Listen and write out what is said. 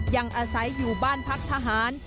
ยังอาศัยอยู่บ้านพักทหาร